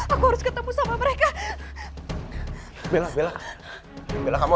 ambil kesayangan kamu